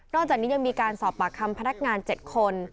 จากนี้ยังมีการสอบปากคำพนักงาน๗คน